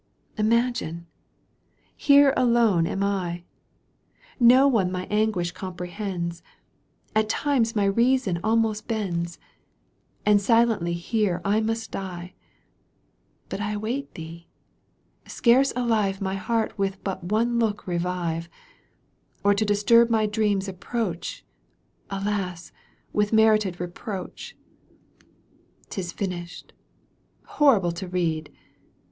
Imagine ! Here alone am I ! Ко one my anguish comprehends. Digitized by VjOOQ 1С 88 EUGENE ONEGUINE. canto hi. At times my reason almost bends, And silently I here must die — But I await thee : scarce alive My heart with but one look revive ; Or to disturb my dreams approach Alas ! with merited reproach. 'lis finished. Horrible to read